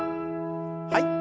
はい。